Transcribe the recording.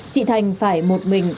chị thành phải một mình